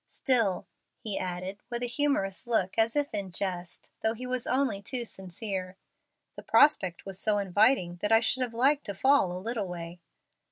Still," he added, with a humorous look as if in jest, though he was only too sincere, "the prospect was so inviting that I should have liked to fall a little way."